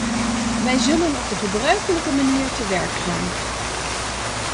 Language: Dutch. Wij zullen op de gebruikelijk manier te werk gaan.